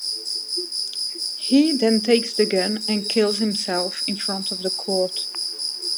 He then takes the gun and kills himself in front of the court.